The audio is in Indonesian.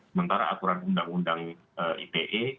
sementara aturan undang undang ite